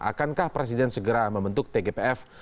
akankah presiden segera membentuk tgpf